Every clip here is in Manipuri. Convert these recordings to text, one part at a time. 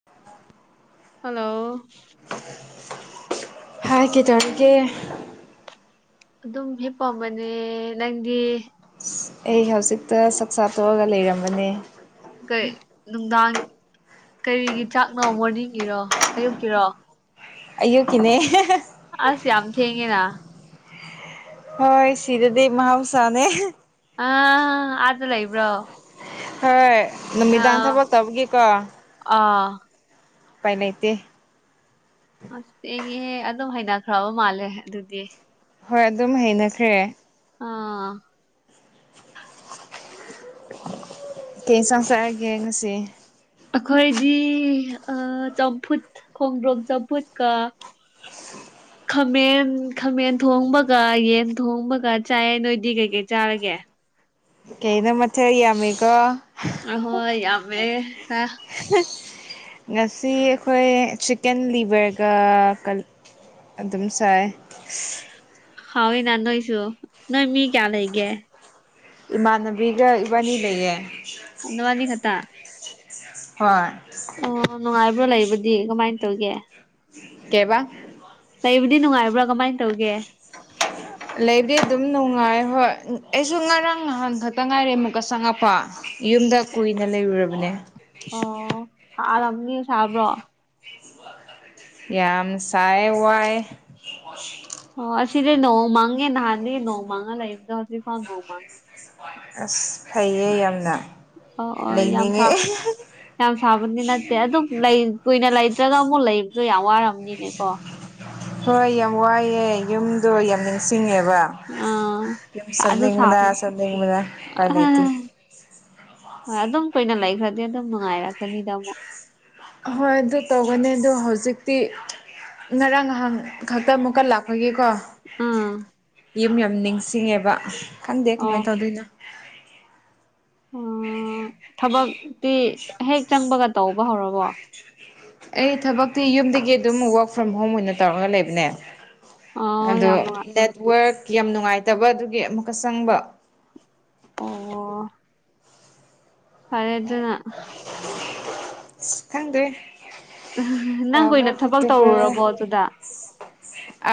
[unintelligible] ꯍꯜꯂꯣ ꯍꯥꯏ ꯀꯩꯗꯧꯔꯤꯒꯦ ꯑꯗꯨꯝ ꯍꯦꯛꯞ ꯄꯝꯕꯅꯦ ꯅꯪꯗꯤ ꯑꯩ ꯍꯧꯖꯤꯛꯇ ꯆꯛ ꯆꯥꯊꯣꯛꯑꯒ ꯂꯩꯔꯝꯕꯅꯦ ꯀꯩ ꯅꯨꯡꯗꯥꯡ ꯀꯔꯤꯒꯤ ꯆꯥꯛꯅꯣ ꯃꯣꯔꯅꯤꯡꯒꯤꯔꯣ ꯑꯌꯨꯛꯀꯤꯔꯣ ꯑꯌꯨꯛ ꯀꯤꯅꯦ ꯑꯁ ꯌꯥꯝ ꯊꯦꯡꯉꯦꯅ ꯍꯣꯏ ꯁꯤꯔꯗꯦ ꯃꯍꯥꯎꯁꯥꯅꯦ ꯑ ꯑꯗ ꯂꯩꯕ꯭ꯔꯣ ꯍꯣꯏ ꯑ ꯅꯨꯃꯤꯗꯥꯡ ꯊꯕꯛꯇꯧꯕꯒꯤꯀꯣ ꯑꯥ ꯄꯥꯏꯅꯦꯇꯦ ꯑꯁꯍ ꯑꯗꯨꯝ ꯍꯩꯅꯈ꯭ꯔꯕ ꯃꯥꯜꯂꯦ ꯑꯗꯨꯗꯤ ꯍꯣꯏ ꯑꯗꯨꯝ ꯍꯩꯅꯈ꯭ꯔꯦ ꯑꯥ ꯀꯌꯦ ꯆꯪꯁꯛꯑꯒꯦ ꯉꯁꯤ ꯑꯩꯈꯣꯏꯗꯤ ꯆꯝꯐꯨꯠ ꯈꯣꯡꯗ꯭ꯔꯣꯡ ꯆꯝꯐꯨꯠꯀ ꯎꯝ ꯈꯥꯃꯦꯟ ꯈꯥꯃꯦꯟ ꯊꯣꯡꯕꯒ ꯌꯦꯟ ꯊꯣꯡꯕꯒ ꯆꯥꯏꯌꯦ ꯅꯣꯏꯗꯤ ꯀꯩꯀꯩ ꯆꯥꯔꯒꯦ ꯀꯩꯗ ꯃꯊꯦꯌꯥꯃꯤꯒꯣ ꯑ ꯍꯣꯏ ꯌꯥꯕꯦ ꯍꯥ ꯉꯁꯤ ꯑꯩꯈꯣꯏ ꯆꯤꯛꯀꯟ ꯂꯤꯕꯔꯒ ꯑꯗꯨꯝ ꯁꯥꯏ ꯍꯥꯎꯤ ꯅ ꯅꯣꯏꯁꯨ ꯅꯣꯏ ꯃꯤ ꯀꯌꯥ ꯂꯩꯒꯦ ꯏꯃꯥꯟꯅꯕꯤꯒ ꯏꯕꯥꯅꯤ ꯂꯩꯌꯦ ꯑꯗꯋꯥꯅꯤ ꯈꯠꯇ ꯍꯣꯏ ꯑꯣ ꯅꯨꯡꯉꯥꯏꯕ꯭ꯔꯥ ꯂꯩꯕꯗꯤ ꯀꯃꯥꯏꯅ ꯇꯧꯒꯦ [unintelligible] ꯂꯩꯕꯨꯗꯤ ꯅꯨꯡꯉꯥꯏꯕ꯭ꯔꯥ ꯀꯃꯥꯏꯅ ꯇꯧꯒꯦ ꯂꯩꯕꯨꯗꯤ ꯑꯗꯨꯝ ꯅꯨꯡꯉꯥꯏ ꯍꯣꯏ ꯑꯩꯁꯨ ꯉꯔꯥꯡ ꯅꯍꯥꯟ ꯈꯛꯇ ꯉꯥꯏꯔꯦ ꯑꯃꯨꯛꯀ ꯆꯪꯉꯛꯄ ꯌꯨꯝꯗ ꯀꯨꯏꯅ ꯂꯩꯔꯨꯔꯕꯅꯦ ꯑꯣ ꯁꯥꯔꯅꯤ ꯁꯥꯕ꯭ꯔꯣ ꯌꯥꯝ ꯁꯥꯏ ꯋꯥꯏ ꯍ ꯑꯁꯤꯗꯤ ꯅꯣꯡ ꯃꯥꯥꯡꯒꯦ ꯅꯍꯥꯟꯦ ꯅꯣꯡ ꯃꯥꯥꯡꯉ ꯂꯥꯛꯗ ꯍꯧꯖꯤ ꯐꯥꯎ ꯅꯣꯡ ꯃꯥꯥꯡꯉꯦ ꯑꯁ ꯐꯩꯌꯦ ꯌꯥꯝꯅ ꯑꯣ ꯑꯣ ꯌꯥꯝ ꯁꯥ ꯂꯩꯅꯤꯡꯉꯦ ꯌꯥꯝ ꯁꯥꯕꯗꯤ ꯅꯠꯇꯦ ꯑꯗꯨꯝ ꯂꯩ ꯀꯨꯏꯅ ꯂꯩꯇ꯭ꯔꯒ ꯑꯃꯨꯛ ꯂꯩꯕꯗꯣ ꯌꯥꯝ ꯋꯥꯔꯕꯅꯤꯅꯦ ꯀꯣ ꯍꯣꯏ ꯌꯥꯝ ꯋꯥꯏꯑꯦ ꯌꯨꯝꯗꯣ ꯌꯥꯝ ꯅꯤꯡꯁꯤꯡꯉꯦꯕ ꯑꯥ ꯁꯥꯁꯨ ꯁꯅꯤꯡ ꯃꯅꯥ ꯁꯥꯕꯅꯤ ꯁꯅꯤꯡ ꯃꯅ ꯀꯥꯏ ꯅꯇ ꯍꯣꯏ ꯑꯗꯨꯝ ꯀꯨꯏꯅ ꯂꯩꯈ꯭ꯔꯗꯤ ꯑꯗꯨꯝ ꯅꯨꯡꯉꯥꯏꯔꯛꯀꯅꯤꯗꯥ ꯑꯃꯨꯛ ꯍꯣꯏ ꯑꯗꯨ ꯇꯧꯒꯅꯤ ꯑꯣ ꯍꯧꯖꯤꯛꯇꯤ ꯉꯔꯥꯡ ꯉꯍꯥꯟ ꯈꯛꯇ ꯑꯃꯨꯛꯀ ꯂꯥꯛꯄꯒꯦꯀꯣ ꯎꯝ ꯌꯨꯝ ꯌꯥꯝ ꯅꯤꯡꯁꯤꯡꯉꯦꯕ ꯈꯪꯗꯦ ꯑꯣ ꯀꯃꯥꯏꯅ ꯇꯧꯗꯣꯏꯅꯣ ꯑꯣ ꯊꯕꯛꯇꯤ ꯍꯦꯛ ꯆꯪꯕꯒ ꯇꯧꯕ ꯍꯧꯔꯕꯣ ꯑꯩ ꯊꯕꯛꯇꯤ ꯌꯨꯝꯗꯒꯤ ꯑꯗꯨꯝ ꯋꯔꯛ ꯐ꯭ꯔꯣꯝ ꯍꯣꯝ ꯑꯣꯏꯅ ꯇꯧꯔꯒ ꯂꯩꯕꯅꯦ ꯑꯣ ꯑꯗꯣ ꯌꯥꯝ ꯅꯨꯡꯉꯥꯏ ꯅꯦꯠꯋꯔꯛ ꯌꯥꯝ ꯅꯨꯡꯉꯥꯏꯇꯕ ꯑꯗꯨꯒꯤ ꯑꯃꯨꯛꯀ ꯆꯪꯕ ꯑꯣ ꯄꯔꯖꯅ ꯍꯪꯔꯤ ꯅꯪ ꯀꯨꯏꯅ ꯊꯕꯛ ꯇꯧꯔꯨꯔꯕꯣ ꯑꯗꯨꯗ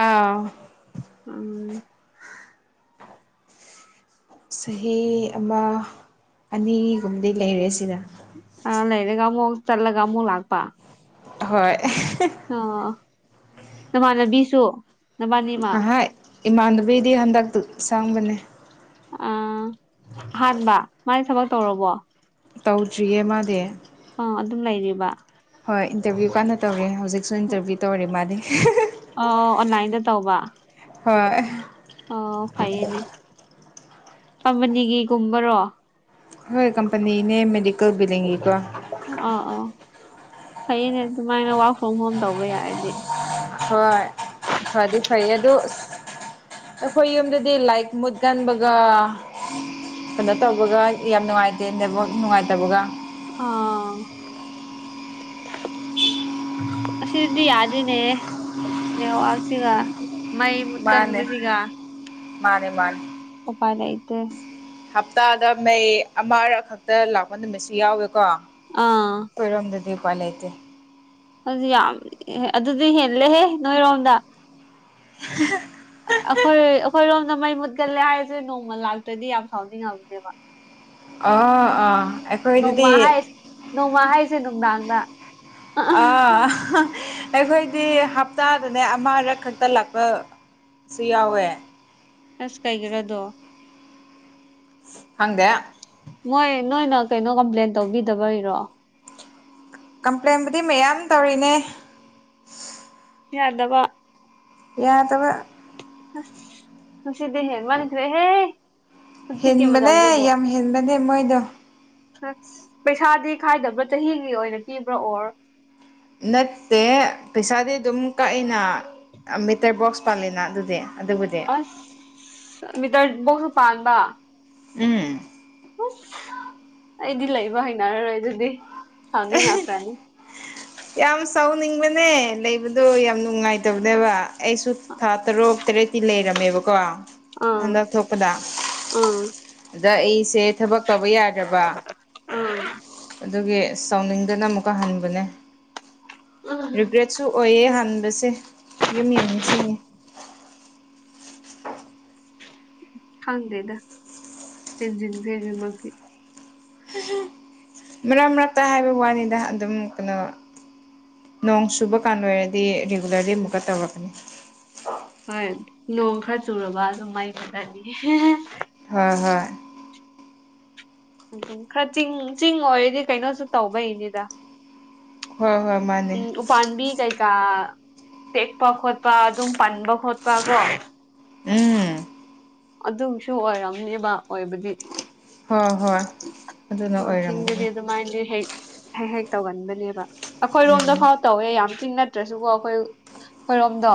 ꯑꯥ ꯎꯝ ꯆꯍꯤ ꯑꯃ ꯑꯅꯤꯒꯨꯝꯕꯗꯤ ꯂꯩꯔꯦ ꯁꯤꯗ ꯑ ꯂꯩꯔꯦꯒꯃꯨ ꯆꯜꯂꯒꯃꯨ ꯂꯥꯛꯄ ꯍꯣꯏ ꯑꯣ ꯅꯃꯥꯟꯅꯕꯤꯁꯨ ꯅꯕꯥꯅꯤꯃ ꯑꯍꯥꯏ ꯏꯃꯥꯟꯕꯤꯒꯤꯗꯤ ꯍꯟꯗꯛꯇ ꯁꯪꯕꯅꯦ ꯑ ꯑꯍꯥꯟꯕ ꯃꯥꯅ ꯊꯕꯛ ꯇꯧꯔꯕꯣ ꯇꯧꯗ꯭ꯔꯤꯌꯦ ꯃꯥꯗꯤ ꯑ ꯑꯗꯨꯝ ꯂꯩꯔꯤꯕ ꯍꯣꯏ ꯏꯟꯇꯔꯚꯤꯌꯨ ꯀꯥꯟꯅ ꯇꯧꯔꯤꯦ ꯍꯧꯖꯤꯛꯁꯨ ꯏꯟꯇꯔꯚ꯭ꯌꯨ ꯇꯧꯔꯦ ꯃꯥꯗꯤ ꯑ ꯑꯣꯟꯂꯥꯏꯟꯗ ꯇꯧꯕ ꯍꯣꯏ ꯑꯣ ꯐꯩꯌꯦꯅꯦ ꯀꯝꯄꯅꯤꯒꯤꯒꯨꯝꯕꯔꯣ ꯍꯣꯏ ꯀꯝꯄꯅꯤꯅꯦ ꯃꯦꯗꯤꯀꯦꯜꯕꯨ ꯂꯩꯡꯉꯦꯀꯣ ꯑꯥ ꯑꯥ ꯐꯩꯅꯦ ꯑꯗꯨꯃꯥꯏꯅ ꯋꯥꯔꯛ ꯐ꯭ꯔꯣꯝ ꯍꯣꯝ ꯇꯧꯕ ꯌꯥꯔꯗꯤ ꯍꯣꯏ ꯐꯗꯤ ꯐꯩ ꯑꯗꯨ ꯑꯩꯈꯣꯏ ꯌꯨꯝꯗꯗꯤ ꯂꯥꯏꯛ ꯃꯨꯠꯀꯟꯕꯒ ꯀꯩꯅꯣ ꯇꯧꯕꯒ ꯌꯥꯝ ꯅꯨꯡꯉꯥꯏꯇꯦ ꯅꯕ ꯅꯨꯡꯉꯥꯏꯇꯕꯒ ꯑꯥ [inaudible] ꯁꯤꯗꯤ ꯌꯥꯗꯣꯏꯅꯦ ꯅꯦꯋꯥꯛꯁꯤꯒ ꯃꯩ ꯃꯥꯅꯦ ꯃꯨꯠꯀꯟꯕꯁꯤꯒ ꯃꯥꯅꯦ ꯃꯥꯅꯦ ꯑꯣꯄꯥꯏ ꯂꯩ ꯂꯩꯇꯦ ꯍꯞꯇꯥꯗ ꯃꯩ ꯑꯃ ꯈꯛꯇ ꯂꯥꯛꯄ ꯅꯨꯃꯤꯠꯁꯨ ꯌꯥꯎꯋꯦꯀꯣ ꯑꯥ ꯑꯣꯏꯔꯣꯝꯗꯗꯤ ꯎꯄꯄꯥ ꯂꯩꯇꯦ ꯑꯗꯨ ꯌꯥꯝ ꯑꯗꯨꯗꯤ ꯍꯦꯜꯂꯦꯍꯦ ꯅꯣꯏꯔꯣꯝꯗ ꯑꯩꯈꯣꯏ ꯑꯩꯈꯣꯏꯔꯣꯝꯗ ꯃꯩ ꯃꯨꯠ ꯆꯠꯂꯦ ꯍꯥꯏꯔꯤꯁꯦ ꯅꯣꯡꯃ ꯂꯥꯛꯇ꯭ꯔꯗꯤ ꯌꯥꯝ ꯁꯥꯎꯅꯤꯡꯉꯕꯅꯦꯕ ꯑ ꯑ ꯑꯩꯈꯣꯏ ꯑꯗꯨꯗꯤ ꯅꯣꯡꯃ ꯍꯥꯏꯁ ꯅꯣꯡꯃ ꯍꯥꯏꯁꯦ ꯅꯨꯡꯗꯥꯡꯗ ꯑꯥ ꯑꯩꯈꯣꯏꯗꯤ ꯍꯞꯇꯥꯗꯅꯦ ꯑꯃꯔꯛ ꯈꯛꯇ ꯂꯥꯛꯄꯁꯨ ꯌꯥꯎꯋꯦ ꯑꯁ ꯀꯥꯏꯒꯔꯥꯗꯣ ꯍꯪꯗꯦ ꯃꯣꯏ ꯅꯣꯏꯅ ꯀꯩꯅꯣ ꯀꯝꯄ꯭ꯂꯦꯟ ꯇꯧꯕꯤꯗꯕꯩꯔꯣ ꯀꯝꯄ꯭ꯂꯦꯟꯕꯨꯗꯤ ꯃꯌꯥꯝ ꯇꯧꯔꯤꯅꯦ ꯌꯥꯗꯕ ꯌꯥꯗꯕ ꯍ ꯈꯨꯁꯤꯗꯦꯅꯦ ꯍꯦ ꯃꯥꯅꯤꯗ꯭ꯔꯦ ꯍꯦ ꯍꯦꯟꯕꯅꯦ ꯌꯥꯝ ꯍꯦꯟꯕꯅꯦ ꯃꯣꯏꯗꯣ ꯁꯁ ꯄꯩꯁꯥꯗꯤ ꯈꯥꯏꯗꯕ꯭ꯔꯥ ꯆꯍꯤꯒꯤ ꯑꯣꯏꯅ ꯄꯤꯕ꯭ꯔꯥ ꯑꯣꯔ ꯅꯠꯇꯦ ꯄꯩꯁꯥꯗꯤ ꯑꯗꯨꯝ ꯀꯛꯑꯦꯅ ꯃꯤꯇꯔ ꯕꯣꯛꯁ ꯄꯥꯜꯂꯤꯅ ꯑꯗꯨꯗꯤ ꯑꯗꯨꯕꯨꯗꯤ ꯑꯁ ꯃꯤꯇ꯭ꯔ ꯕꯣꯛꯁꯨ ꯄꯥꯟꯕ ꯎꯝ ꯑꯁ ꯑꯩꯗꯤ ꯂꯩꯕ ꯍꯅꯔꯔꯣꯏ ꯑꯗꯨꯗꯤ ꯁꯥꯎꯅꯤꯡ ꯉꯛꯈ꯭ꯔꯅꯤ ꯌꯥꯝ ꯁꯥꯎꯅꯤꯡꯕꯅꯦ ꯂꯩꯕꯗꯣ ꯌꯥꯝ ꯅꯨꯡꯉꯥꯏꯇꯕꯅꯦꯕ ꯑꯩꯁꯨ ꯊꯥ ꯇꯔꯨꯛ ꯇꯔꯦꯠꯇꯤ ꯂꯩꯔꯝꯃꯦꯕꯀꯣ ꯑꯥ ꯍꯟꯗꯛ ꯊꯣꯛꯄꯗ ꯑꯥ ꯑꯗ ꯑꯩꯁꯦ ꯊꯕꯛ ꯇꯧꯕ ꯌꯥꯗ꯭ꯔꯕ ꯑꯥꯝ ꯑꯗꯨꯒꯤ ꯁꯥꯎꯅꯤꯡꯗꯅ ꯑꯃꯨꯛꯀ ꯍꯟꯕꯅꯦ ꯔꯤꯒ꯭ꯔꯦꯠ ꯨ ꯁꯨ ꯑꯣꯏꯌꯦ ꯍꯥꯟꯕꯁꯦ ꯌꯨꯝ ꯌꯥꯝ ꯅꯤꯡꯁꯤꯡꯉꯤ ꯈꯪꯗꯦꯗ ꯍꯟꯖꯤꯟꯈ꯭ꯔꯦ ꯑꯗꯨꯃꯛꯇꯤ ꯃꯔꯛ ꯃꯔꯛꯇ ꯍꯥꯏꯕ ꯋꯥꯅꯤꯗ ꯑꯗꯨꯝ ꯀꯥꯅꯣ ꯅꯣꯡ ꯆꯨꯕ ꯀꯥꯟ ꯑꯣꯏꯔꯗꯤ ꯔꯤꯒꯨꯂꯔꯂꯤ ꯑꯃꯨꯛꯀ ꯇꯧꯔꯛꯀꯅꯤ ꯍꯣꯏ ꯅꯣꯡ ꯈꯔ ꯆꯨꯔꯕ ꯑꯗꯨꯝ ꯃꯩ ꯃꯨꯠꯂꯅꯤ ꯍꯣꯏ ꯍꯣꯏ ꯎꯝ ꯎ ꯈꯔ ꯆꯤꯡ ꯆꯤꯡ ꯑꯣꯏꯔꯗꯤ ꯀꯩꯅꯣꯁꯨ ꯇꯧꯕꯩꯅꯤꯗ ꯍꯣꯏ ꯍꯣꯏ ꯃꯥ ꯎꯝ ꯎꯄꯥꯥꯟꯝꯕꯤ ꯀꯩꯀꯥ ꯇꯦꯛꯄ ꯈꯣꯠꯄ ꯑꯗꯨꯝ ꯄꯟꯕ ꯈꯣꯠꯄ ꯀꯣ ꯎꯝ ꯑꯗꯨꯝꯁꯨ ꯑꯣꯏꯔꯝꯅꯦꯕ ꯑꯣꯏꯕꯗꯤ ꯍꯣꯏ ꯍꯣꯏ ꯑꯗꯨꯅ ꯑꯣꯏꯔꯝꯒꯅꯤ ꯆꯤꯡꯗꯗꯤ ꯑꯗꯨꯃꯥꯏꯅꯗꯤ ꯍꯦꯛ ꯍꯦꯛ ꯍꯦꯛ ꯇꯧꯒꯟꯕꯅꯦꯕ ꯑꯩꯈꯣꯏꯔꯣꯝꯗ ꯎꯝ ꯐꯥꯎ ꯇꯧꯋꯦ ꯌꯥꯝ ꯆꯤꯅ ꯇ꯭ꯔꯁꯨꯀꯣ ꯑꯩꯈꯣꯏ ꯑꯩꯈꯣꯏꯔꯣꯝꯗꯣ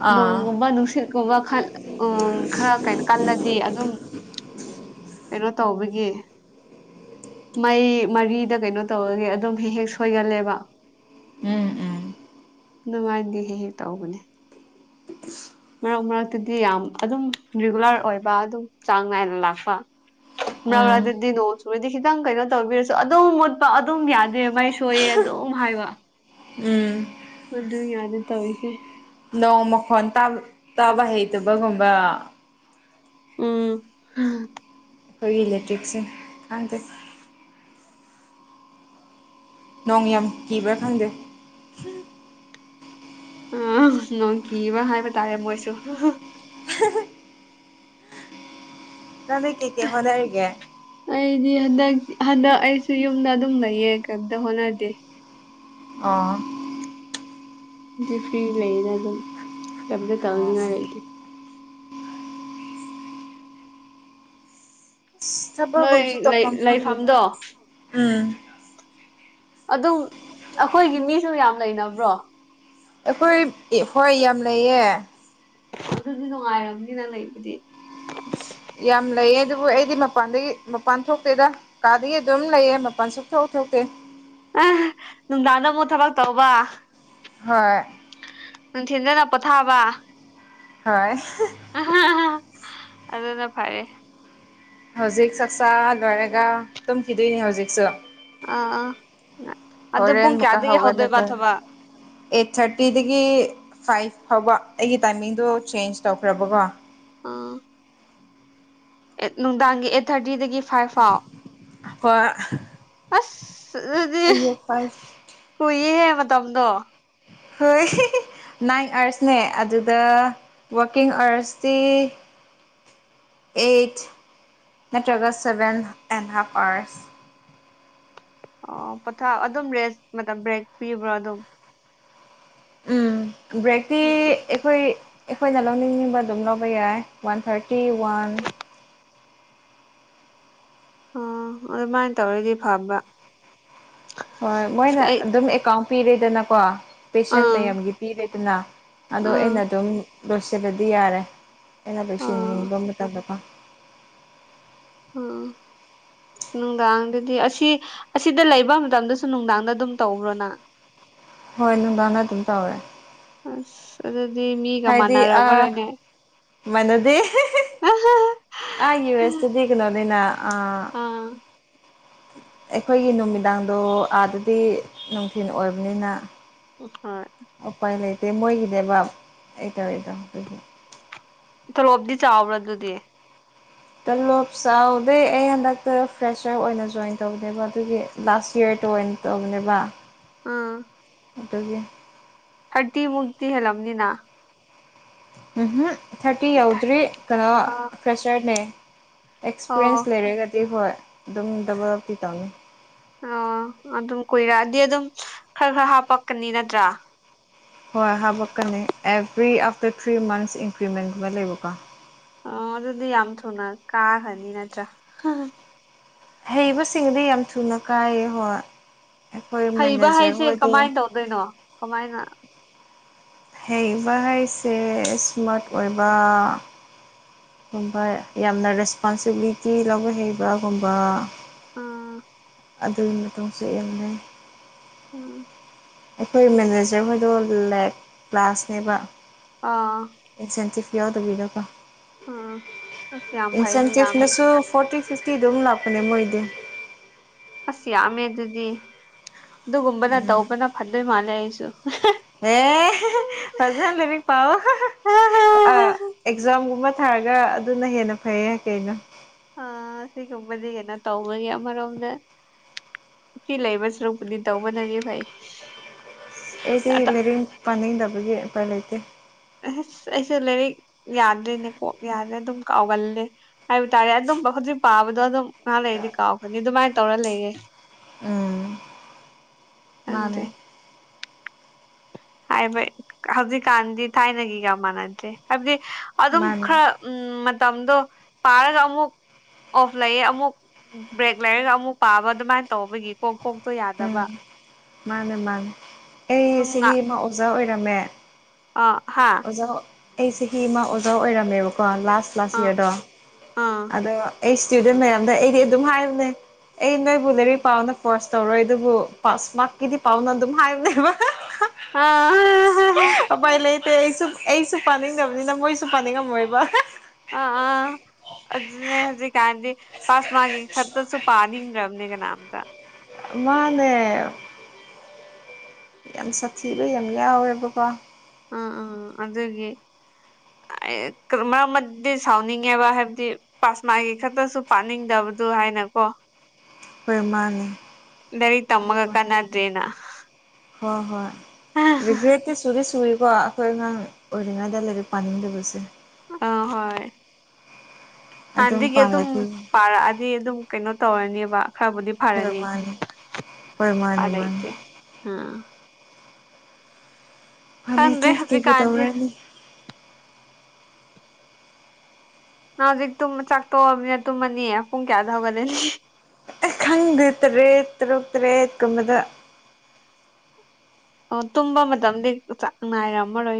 ꯑꯥ ꯅꯣꯡꯒꯨꯝꯕ ꯅꯨꯡꯁꯤꯠꯀꯨꯝꯕ ꯈꯜ ꯎꯝ ꯈꯔ ꯀꯩꯅꯣ ꯀꯜꯂꯗꯤ ꯑꯗꯨꯝ ꯀꯩꯅꯣ ꯇꯧꯕꯒꯤ ꯃꯩ ꯃꯔꯤꯗ ꯀꯩꯅꯣ ꯇꯧꯕꯒꯤ ꯑꯗꯨꯝ ꯍꯦꯛ ꯍꯦꯛ ꯁꯣꯏꯒꯜꯂꯦꯕ ꯎꯝ ꯎꯝ ꯅꯨꯡꯉꯥꯏꯗꯤ ꯍꯦꯛ ꯍꯦꯛ ꯇꯧꯕꯅꯦ [unintelligible] ꯃꯔꯛ ꯃꯔꯛꯇꯨꯗꯤ ꯌꯥꯝ ꯑꯗꯨꯝ ꯔꯤꯒꯨꯂꯔ ꯑꯣꯏꯕ ꯑꯗꯨꯝ ꯆꯥꯡ ꯅꯥꯏꯅ ꯂꯥꯛꯄ ꯅꯜ ꯎꯝ ꯑꯗꯨꯗꯤ ꯅꯣꯡꯖꯨ ꯁꯨꯔꯗꯤ ꯈꯤꯇꯪ ꯀꯩꯅꯣ ꯇꯧꯕꯤꯔꯁꯨ ꯑꯗꯨꯝ ꯃꯨꯠꯄ ꯑꯗꯨꯝ ꯌꯥꯗꯦ ꯃꯥꯏ ꯁꯣꯏꯌꯦ ꯑꯗꯨꯝ ꯍꯥꯏꯕ ꯎꯝ ꯃꯗꯨ ꯌꯥꯗꯦ ꯇꯧꯏꯁꯦ ꯅꯣꯡ ꯃꯈꯣꯟ ꯇꯥꯕ ꯇꯥꯕ ꯍꯩꯇꯕꯒꯨꯝꯕ ꯎꯝ ꯈꯣꯏꯒꯤ ꯂꯦꯇ꯭ꯔꯤꯛꯁꯦ ꯈꯪꯗꯦ ꯅꯣꯡ ꯌꯥꯝ ꯀꯤꯕ꯭ꯔꯥ ꯈꯪꯗꯦ ꯑꯥ ꯅꯣꯡ ꯀꯤꯕ ꯍꯥꯏꯕ ꯇꯥꯔꯦ ꯃꯣꯏꯁꯨ [unintelligible] ꯅꯃꯤ ꯀꯦ ꯀꯦ ꯍꯣꯅꯔꯤꯒꯦ ꯑꯩꯗꯤ ꯍꯟꯗꯛ ꯍꯟꯗꯛ ꯑꯩꯁꯨ ꯌꯨꯝꯗ ꯑꯗꯨꯝ ꯂꯩꯌꯦ ꯀꯝꯇ ꯍꯣꯠꯅꯗꯦ ꯑꯥ ꯗꯤ ꯐ꯭ꯔꯤꯗ ꯂꯩꯗ ꯑꯗꯝ ꯀꯩꯝꯇ ꯇꯧꯅꯉꯥꯏ ꯂꯩꯇꯦ ꯁ ꯊꯕꯛ ꯅꯣꯏ ꯀꯨꯝꯁꯨ ꯂꯩ ꯇꯧꯐꯝ ꯈꯪꯗꯦꯗ ꯂꯩꯐꯝꯗꯣ ꯎꯝ ꯑꯗꯨꯝ ꯑꯩꯈꯣꯏꯒꯤ ꯃꯤꯁꯨ ꯌꯥꯝ ꯂꯩꯅꯕ꯭ꯔꯣ ꯑꯩꯈꯣꯏꯞ ꯍꯣꯏ ꯌꯥꯝ ꯂꯩꯌꯦ ꯑꯗꯨꯗꯤ ꯅꯨꯡꯉꯥꯏꯔꯝꯅꯤꯅ ꯂꯩꯕꯗꯤ ꯌꯥꯝ ꯂꯩꯌꯦ ꯑꯗꯨꯕꯨ ꯑꯩꯗꯤ ꯃꯄꯥꯟꯗꯒꯤ ꯃꯄꯥꯟ ꯊꯣꯛꯇꯦꯗ ꯀꯗꯥꯒꯤ ꯑꯗꯨꯝ ꯂꯩꯌꯦ ꯃꯄꯜ ꯁꯨꯡꯊꯣꯛ ꯊꯣꯛꯇꯦ ꯑ ꯅꯨꯡꯗꯥꯡꯗ ꯑꯃꯨꯛ ꯊꯕꯛ ꯇꯧꯕ ꯍꯣꯏ ꯅꯨꯡꯊꯤꯟꯗꯅ ꯄꯣꯊꯥꯕ ꯍꫭꯏ ꯑꯗꯨꯅ ꯐꯔꯦ ꯍꯧꯖꯤꯛ ꯆꯥꯛꯆꯥ ꯂꯣꯏꯔꯒ ꯇꯨꯝꯈꯤꯗꯣꯏꯅꯤ ꯍꯧꯖꯤꯛꯁꯨ ꯑ ꯑꯗꯨ ꯍꯣꯔꯦꯟ ꯄꯨꯡ ꯑꯃꯨꯛꯀ ꯀꯦꯌꯥꯗꯒꯤ ꯍꯧꯗꯣꯏꯕ ꯍꯧꯒꯠꯂꯒ ꯊꯕꯛ ꯑꯩꯠ ꯊꯥꯔꯇꯤꯗꯒꯤ ꯐꯥꯏꯚ ꯐꯥꯎꯕ ꯑꯩꯒꯤ ꯇꯥꯏꯃꯤꯡꯗꯣ ꯆꯦꯟꯖ ꯇꯧꯈ꯭ꯔꯕꯀꯣ ꯑꯥ ꯑꯦꯠ ꯅꯨꯡꯗꯥꯡꯒꯤ ꯑꯦꯠ ꯊꯥꯔꯇꯤꯗꯒꯤ ꯐꯥꯏꯚ ꯐꯥꯎ ꯍꯣꯏ ꯑꯁ ꯑꯗꯨꯗꯤ ꯑꯌꯨꯛ ꯐꯥꯏꯚ ꯀꯨꯏꯌꯦꯍꯦ ꯃꯇꯝꯗꯣ ꯍꯣꯏ ꯅꯥꯏꯟ ꯑꯥꯔꯁꯅꯦ ꯑꯗꯨꯗ ꯋꯥꯛꯀꯤꯡ ꯑꯥꯋ꯭ꯔꯁꯇꯤ ꯑꯩꯠ ꯅꯠꯇ꯭ꯔꯒ ꯁꯦꯚꯦꯟ ꯑꯦꯟ ꯍꯥꯐ ꯑꯥꯋ꯭ꯔꯁ ꯑꯣ ꯄꯣꯊꯥꯎ ꯑꯗꯨꯝ ꯔꯦꯁ ꯃꯇꯝ ꯕ꯭ꯔꯦꯛ ꯄꯤꯕ꯭ꯔ ꯑꯗꯨꯝ ꯎꯝ ꯕ꯭ꯔꯦꯛꯇꯤ [unintelligible] ꯑꯩꯈꯣꯏ ꯑꯩꯈꯣꯏꯅ ꯂꯧꯅꯤꯡꯕ ꯑꯗꯨꯝ ꯂꯧꯕ ꯌꯥꯏ ꯋꯥꯟ ꯊꯥꯔꯇꯤ ꯋꯥꯟ ꯑꯣ ꯑꯗꯨꯃꯥꯏꯅ ꯇꯧꯔꯗꯤ ꯐꯕ ꯍꯣꯏ ꯑꯁ ꯃꯣꯏꯅ ꯑꯩ ꯑꯗꯨꯝ ꯑꯦꯀꯥꯎꯟ ꯄꯤꯔꯦꯗꯅꯀꯣ ꯄꯦꯁꯟ ꯑꯥ ꯃꯌꯥꯝꯒꯤ ꯄꯤꯔꯦꯗꯅ ꯑꯗꯣ ꯑꯥ ꯑꯩꯅ ꯑꯗꯨꯝ ꯂꯣꯏꯁꯤꯜꯂꯗꯤ ꯌꯥꯔꯦ ꯑꯩꯅ ꯑꯥ ꯂꯣꯏꯁꯤꯟꯅꯤꯡꯕ ꯃꯇꯝꯗꯀꯣ ꯑꯥ [inaudible] ꯅꯨꯡꯗꯥꯡꯗꯗꯤ ꯑꯁꯤ ꯑꯁꯤꯗ ꯂꯩꯕ ꯃꯇꯝꯗꯁꯨ ꯅꯨꯡꯗꯥꯡꯗ ꯑꯗꯨꯝ ꯇꯧꯕ꯭ꯔꯣ ꯅꯪ ꯍꯣꯏ ꯅꯨꯡꯗꯥꯡꯗ ꯑꯗꯨꯝ ꯇꯧꯋꯦ ꯑꯁ ꯑꯗꯨꯗꯤ ꯃꯤꯒ ꯃꯥꯟꯅꯔꯝꯃꯔꯣꯏꯅꯦ ꯃꯥꯅꯗꯦ ꯑꯥ ꯌꯨ ꯑꯦꯁ ꯇꯗꯤ ꯀꯩꯅꯣꯅꯤꯅ ꯑꯥ ꯑꯥ ꯑꯩꯈꯣꯏꯒꯤ ꯅꯨꯃꯤꯗꯥꯡꯗꯣ ꯑꯥꯗꯗꯤ ꯅꯨꯡꯊꯤꯜ ꯑꯣꯏꯕꯅꯤꯅ ꯎꯝ ꯍꯣꯏ ꯎꯄꯥꯏ ꯂꯩꯇꯦ ꯃꯣꯏꯒꯤꯅꯦꯕ ꯑꯩ ꯇꯧꯔꯤꯗꫭ ꯑꯗꯨꯒꯤ ꯇꯣꯂꯣꯞꯇꯤ ꯆꯥꯎꯕ꯭ꯔꯥ ꯑꯗꯨꯗꯤ ꯇꯂꯣꯞ ꯆꯥꯎꯗꯦ ꯑꯩ ꯍꯟꯗꯛꯇ ꯐ꯭ꯔꯦꯁꯔ ꯑꯣꯏꯅ ꯖꯣꯏꯟ ꯇꯧꯗꯦꯕ ꯑꯗꯨꯒꯤ ꯂꯁ ꯏꯌꯔꯗ ꯑꯣꯏꯅ ꯇꯧꯕꯅꯦꯕ ꯑꯥ ꯑꯗꯨꯒꯤ ꯊ꯭ꯥꯔꯇꯤ ꯃꯨꯛꯇꯤ ꯍꯦꯜꯂꯝꯅꯤꯅ ꯎꯝꯍꯨꯝ ꯊꯥ꯭ꯔꯇꯤ ꯌꯧꯗ꯭ꯔꯤ ꯀꯩꯅꯣ ꯑꯥ ꯐ꯭ꯔꯦꯁꯔꯅꯦ ꯑꯣ ꯑꯦꯛꯁꯄꯤꯔꯌꯦꯟꯁ ꯂꯩꯔꯒꯗꯤ ꯍꯣꯏ ꯑꯗꯨꯝ ꯗꯕꯜꯇꯤ ꯇꯧꯅꯤ ꯑꯣ ꯑꯗꯨꯝ ꯀꯨꯏꯔꯛꯑꯗꯤ ꯑꯗꯨꯝ ꯈꯔ ꯈꯔ ꯍꯥꯞꯄꯛꯀꯅꯤ ꯅꯠꯇ꯭ꯔꯥ ꯍꯣꯏ ꯍꯥꯄꯛꯀꯅꯤ ꯑꯦꯚ꯭ꯔꯤ ꯑꯥꯐꯇꯔ ꯊ꯭ꯔꯤ ꯃꯟꯁ ꯏꯟꯀ꯭ꯔꯤꯃꯦꯟꯒꯨꯝꯕ ꯂꯩꯕꯀꯣ ꯑꯣ ꯑꯗꯨꯗꯤ ꯌꯥꯝ ꯊꯨꯅ ꯀꯥꯈ꯭ꯔꯅꯤ ꯅꯠꯇ꯭ꯔꯥ ꯍꯩꯕꯁꯤꯡꯗꯤ ꯌꯥꯝ ꯊꯨꯅ ꯀꯥꯏ ꯍꯣꯏ ꯑꯩꯈꯣꯏ ꯃꯦꯅꯦꯖ꯭ꯔ ꯍꯣꯏꯗꫭ ꯗꫭꯏꯅꯣ ꯀꯃꯥꯏꯅ ꯍꯩꯕ ꯍꯥꯏꯁꯦ ꯏꯁꯃꯥ꯭ꯔꯠ ꯑꯣꯏꯕ ꯒꯨꯝꯕ ꯌꯥꯝꯅ ꯔꯦꯁꯄꯣꯟꯁꯤꯕꯤꯂꯤꯇꯤ ꯂꯧꯕ ꯍꯩꯕꯒꯨꯝꯕ ꯎꯝ ꯑꯗꯨꯏ ꯃꯇꯣꯡꯁꯨ ꯌꯥꯝ ꯂꯩ ꯍꯥ [unintelligible] ꯑꯩꯈꯣꯏ ꯃꯦꯅꯦꯖꯔ ꯍꯣꯏꯗꯣ ꯂꯦꯛ ꯀ꯭ꯂꯥꯁꯅꯦꯕ ꯑꯥ ꯏꯟꯁꯦꯟꯇꯤꯞ ꯌꯥꯎꯗꯕꯤꯗꯀꯣ ꯎꯝ ꯑꯁ ꯌꯥꯝ ꯐꯩꯅꯦ ꯌꯥꯝꯃꯦ ꯏꯟꯁꯦꯟꯇꯤꯞꯅꯁꯨ ꯐꯣꯔꯇꯤ ꯁꯤꯛꯁꯇꯤꯗ ꯑꯗꯨꯝ ꯂꯥꯛꯄꯅꯦ ꯃꯣꯏꯗꯤ ꯑꯁ ꯌꯥꯝꯃꯦ ꯑꯗꯨꯗꯤ ꯑꯗꯨꯒꯨꯝꯕꯅ ꯇꯧꯕꯅ ꯐꯗꯣꯏ ꯃꯥꯜꯂꯦ ꯑꯩꯁꯨ ꯑꯦ ꯐꯖꯦꯟ ꯂꯩꯃꯤ ꯄꯑꯣ ꯑꯦꯛꯖꯥꯝꯒꯨꯝꯕ ꯊꯥꯔꯒ ꯑꯗꯨꯅ ꯍꯦꯟꯅ ꯐꯩꯌꯦ ꯀꯩꯅꯣ ꯑ ꯁꯤꯒꯨꯝꯕꯗꯤ ꯀꯩꯅꯣ ꯇꯧꯕꯒꯤ ꯑꯃꯔꯣꯝꯗ ꯐꯔ꯭ꯤ ꯂꯩꯕ ꯁꯔꯨꯛꯄꯨꯗꯤ ꯇꯧꯕꯅꯗꯤ ꯐꯩ ꯑꯩꯗꯤ ꯂꯥꯏꯔꯤꯛ ꯄꯥꯅꯤꯡꯗꯕꯒꯤ ꯎꯄꯥꯏ ꯂꯩꯇꯦ ꯑꯁ ꯑꯩꯁꯨ ꯂꯥꯏꯔꯤꯛ ꯌꯥꯗ꯭ꯔꯤꯅꯦꯀꯣ ꯌꯥꯗ꯭ꯔꯦ ꯑꯗꯨꯝ ꯀꯥꯎꯒꯜꯂꯦ ꯍꯥꯏꯕ ꯇꯥꯔꯦ ꯑꯗꯨꯝꯕ ꯍꯧꯖꯤꯛ ꯄꯥꯕꯗꯣ ꯑꯗꯨꯝ ꯉꯍꯥ ꯂꯩꯔꯗꯤ ꯀꯥꯎꯈ꯭ꯔꯅꯤ ꯑꯗꯨꯃꯥꯏꯅ ꯇꯧꯔ ꯂꯩꯔꯦ ꯎꯝ ꯈꯪꯗ꯭ꯔꯦ ꯃꯥꯅꯦ ꯍꯥꯏꯕ ꯍꯧꯖꯤꯛꯀꯥꯟꯗꯤ ꯊꯥꯏꯅꯒꯤꯒ ꯃꯥꯟꯅꯗꯦ ꯍꯥꯏꯕꯗꯤ ꯑꯗꯨꯝ ꯃꯥꯅꯦ ꯈꯔ ꯎꯝ ꯃꯇꯝꯗꯣ ꯄꯥꯔꯒ ꯑꯃꯨꯛ ꯑꯣꯐ ꯂꯩꯌꯦ ꯑꯃꯨꯛ ꯕ꯭ꯔꯦꯛ ꯂꯩꯔꯒ ꯑꯃꯨꯛ ꯄꯥꯕ ꯑꯗꯨꯃꯥꯏꯅ ꯇꯧꯕꯒꯤ ꯀꯣꯛ ꯀꯣꯛꯇꯣ ꯌꯥꯗꯕ ꯎꯝ ꯃꯥꯅꯦ ꯃꯥꯅꯦ ꯑꯩ ꯑꯗꯨꯝ ꯆꯍꯤ ꯉꯥꯛ ꯑꯃ ꯑꯣꯖꯥ ꯑꯣꯏꯔꯝꯃꯦ ꯑꯥ ꯍꯥ ꯑꯣꯖꯥ ꯑꯩ ꯆꯍꯤ ꯑꯃ ꯑꯣꯖꯥ ꯑꯣꯏꯔꯝꯃꯦꯕꯀꯣ ꯂꯥꯁ ꯂꯥꯁ ꯑꯥ ꯏꯌꯥꯔꯗꯣ ꯑꯥ ꯑꯗꯣ ꯑꯩ ꯏꯁꯇꯨꯗꯦꯟ ꯃꯌꯥꯝꯗ ꯑꯩꯗꯤ ꯑꯗꯨꯝ ꯍꯥꯏꯔꯕꯅꯦ ꯑꯩ ꯅꯣꯏꯕꯨ ꯂꯥꯏꯔꯤꯛ ꯄꯥꯎꯅ ꯀꯣꯔꯁ ꯇꯧꯔꯣꯏ ꯑꯗꯨꯕꯨ ꯄꯥꯁ ꯃꯥꯔꯛꯀꯤꯗꯤ ꯄꯥꯎꯅ ꯑꯗꯨꯝ ꯍꯥꯏꯕꯅꯦꯕ ꯑꯥ ꯑꯄꯥꯏ ꯂꯩ ꯑ ꯑꯩꯁꯨ ꯑꯩꯁꯨ ꯄꯥꯅꯤꯡꯗꯕꯅꯤꯅ ꯃꯣꯏꯁꯨ ꯄꯥꯅꯤꯡꯉꯝꯃꯣꯏꯕ ꯑ ꯑꯥ ꯑꯗꯨꯅꯦ ꯍꯧꯖꯤ ꯀꯥꯟꯗꯤ ꯄꯥꯁ ꯃꯥꯒꯤꯦ ꯈꯁꯨ ꯄꯥꯅꯤ ꯔꯝꯅꯦ ꯀꯅꯥꯝ ꯊ ꯃꯥꯅꯦ ꯌꯥꯝ ꯁꯥꯊꯤꯕ ꯌꯥꯝ ꯌꯥꯎꯋꯦꯕꯀꯣ ꯑ ꯑ ꯑꯗꯨꯦ ꯃꯔꯝꯗꯤ ꯁꯥꯎꯅꯤꯡꯉꯦꯕ ꯍꯥꯏꯕꯗꯤ ꯄꯥꯁꯃꯥꯒꯤ ꯈꯛꯇꯁꯨ ꯄꯥꯅꯤꯡꯗꯕꯗꯨ ꯍꯥꯏꯅꯀꯣ ꯃꯩꯃꯅꯤ ꯔꯤ ꯇꯃꯒꯀꯅꯗ꯭ꯔꯦꯅ ꯍꯣꯏ ꯍꯣꯏ ꯔꯤꯒ꯭ꯔꯦꯠꯇꯤ ꯁꯨꯔꯤ ꯁꯨꯔꯤꯀꯣ ꯑꯩꯈꯣꯏ ꯑꯉꯥꯡ ꯑꯣꯏꯔꯤꯉꯩꯗ ꯂꯥꯏꯔꯤꯛ ꯄꯥꯅꯤꯡꯗꯕꯁꯦ ꯑ ꯍꯣꯏ ꯍꯥꯟꯅꯗꯒꯤ ꯑꯗꯨꯝ ꯄꯥꯔꯛꯑꯗꯤ ꯑꯗꯨꯝ ꯀꯩꯅꯣ ꯇꯧꯔꯅꯦꯕ ꯈꯔꯕꯨꯗꯤ ꯍꯣꯏ ꯐꯔꯅꯤ ꯃꯥꯅꯦ ꯍꯣꯏ ꯃꯥꯅꯦ ꯎꯄꯥꯏ ꯃꯥꯅꯦ ꯂꯩꯇꯦ ꯑꯥ ꯐ ꯈꯪꯗ꯭ꯔꯦ ꯂꯩꯇꯦ ꯀꯕꯨ ꯍꯧꯖꯤꯛꯀꯥꯟꯁꯦ ꯇꯧꯔꯅꯤ ꯅ ꯍꯧꯖꯤꯛꯨꯝ ꯆꯥꯛ ꯇꯣꯛꯑꯃꯤꯅ ꯇꯨꯝꯃꯅꯤ ꯄꯨꯡ ꯀꯌꯥꯗ ꯍꯧꯒꯠꯂꯅꯤ ꯈꯪꯗ ꯇꯔꯦꯠ ꯇꯔꯨꯛ ꯇꯔꯦꯠꯀꯨꯝꯕꯗ ꯑꯣ ꯇꯨꯝꯕ ꯃꯇꯝꯗꯤ ꯆꯥꯛ ꯉꯥꯏꯔꯝꯃꯔꯣꯏ